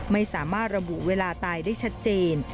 ไม่สามารถระบุเวลาตายได้ชัดเจน